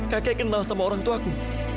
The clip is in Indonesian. kakek kenal sama orangtuaku